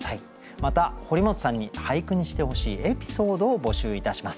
また堀本さんに俳句にしてほしいエピソードを募集いたします。